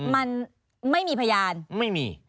มันไม่มีพยานไม่มี